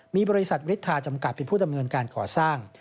มีบริษัทฤทธาจำกัดเป็นผู้ดำเนินการก่อสร้าง